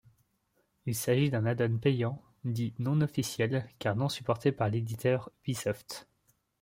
Il s'agit d'un addon payant dit non officiel car non supporté par l'éditeur Ubisoft.